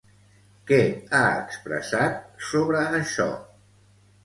Què ha expressat sobre això?